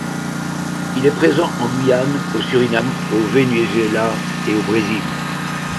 Il est présent en Guyane, au Surinam, au Venezuela et au Brésil.